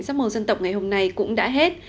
sắp mồ dân tộc ngày hôm nay cũng đã hết